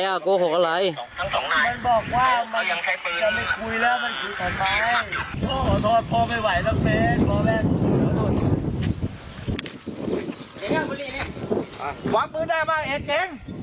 จะไม่คุยแล้วมันคุยกับใครโทษโทษพ่อไม่ไหวแล้วเฟสพ่อแม่